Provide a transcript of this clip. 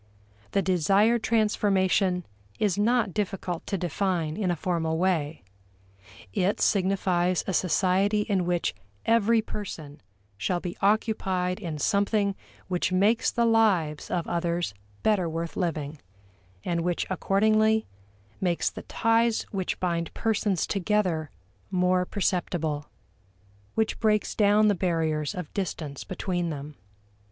The desired transformation is not difficult to define in a formal way. It signifies a society in which every person shall be occupied in something which makes the lives of others better worth living, and which accordingly makes the ties which bind persons together more perceptible which breaks down the barriers of distance between them.